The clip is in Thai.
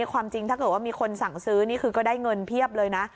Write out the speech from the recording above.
ความจริงถ้าเกิดว่ามีคนสั่งซื้อนี่คือก็ได้เงินเพียบเลยนะ